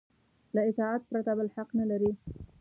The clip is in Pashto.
له اطاعت پرته بل حق نه لري.